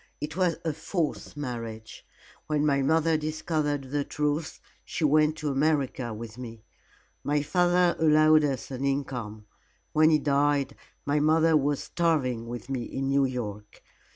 It was a false marriage. When my mother discovered the truth, she went to America with me. My father allowed us an income. When he died, my mother was starving with me in New York.